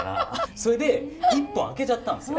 それで１本空けちゃったんですよ。